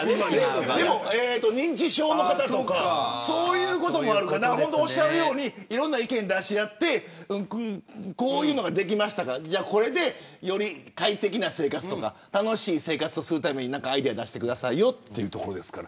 認知症の方とかそういうこともあるからおっしゃるようにいろんな意見を出し合ってこういうのができましたからこれで、より快適な生活とか楽しい生活をするためにアイデア出してくださいというところです。